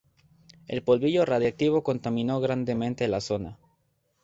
El polvillo radiactivo contaminó grandemente la zona.